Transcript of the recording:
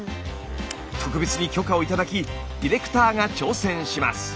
特別に許可を頂きディレクターが挑戦します。